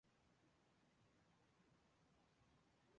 关于小孩堤防的得名历史有许多故事。